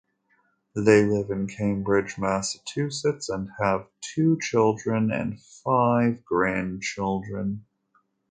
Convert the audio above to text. They live in Cambridge, Massachusetts, and have two children and five grandchildren.